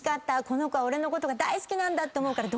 この子は俺のことが大好きなんだって思うから。